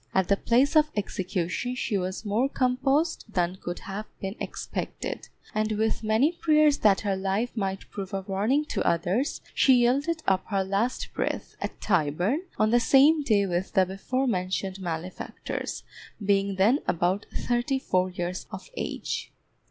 At the place of execution she was more composed than could have been expected, and with many prayers that her life might prove a warning to others, she yielded up her last breath, at Tyburn, on the same day with the before mentioned malefactors, being then about thirty four years of age.